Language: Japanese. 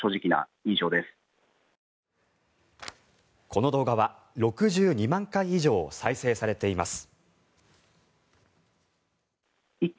この動画は６２万回以上再生されています。